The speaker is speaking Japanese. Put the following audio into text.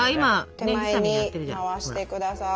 手前に回してください。